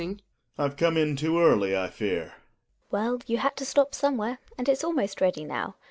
Gina. Well, you had to stop somewhere — and it's almost ready now.